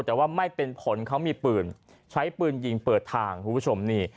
แต่ว่าไม่เป็นผลเขามีปืนใช้ปืนยิงเปิดทางคุณผู้ชมนี่